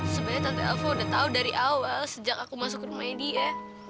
sebenarnya tante aku udah tahu dari awal sejak aku masuk ke rumahnya dia